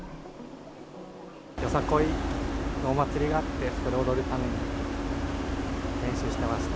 よさこいのお祭りがあって、そこで踊るために練習していました。